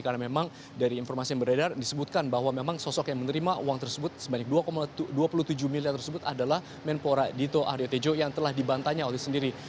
karena memang dari informasi yang beredar disebutkan bahwa memang sosok yang menerima uang tersebut sebanyak dua dua puluh tujuh miliar tersebut adalah menpora dito aryo tejo yang telah dibantanya oleh sendiri